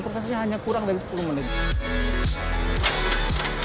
prosesnya hanya kurang dari sepuluh menit